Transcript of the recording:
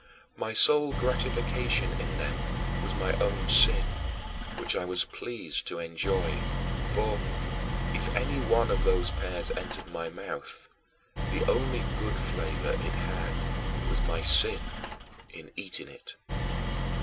My sole gratification in them was my own sin, which I was pleased to enjoy; for, if any one of these pears entered my mouth, the only good flavor it had was my sin in eating it.